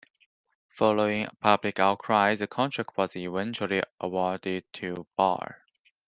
Following public outcry the contract was eventually awarded to Barre.